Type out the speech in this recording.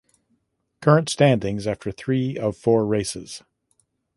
Current standings after three of four races.